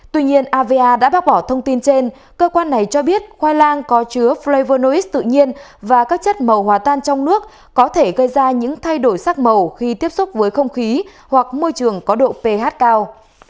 tuy nhiên ava đã bác bỏ thông tin trên cơ quan này cho biết khoai lang có chứa pleivernoics tự nhiên và các chất màu hòa tan trong nước có thể gây ra những thay đổi sắc màu khi tiếp xúc với không khí hoặc môi trường có độ ph cao